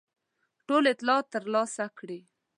ټول اطلاعات ترلاسه کړي.